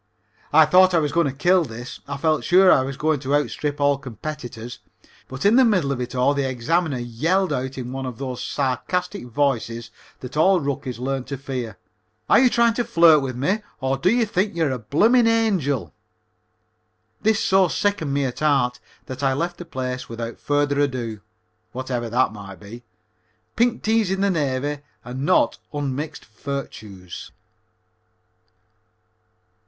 I thought I was going to kill this. I felt sure I was going to outstrip all competitors. But in the middle of it all the examiner yelled out in one of those sarcastic voices that all rookies learn to fear: "Are you trying to flirt with me or do you think you're a bloomin' angel?" This so sickened me at heart that I left the place without further ado, whatever that might be. Pink teas in the Navy are not unmixed virtues.